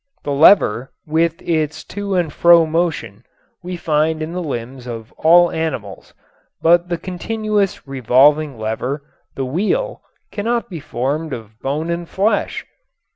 The lever, with its to and fro motion, we find in the limbs of all animals, but the continuous and revolving lever, the wheel, cannot be formed of bone and flesh.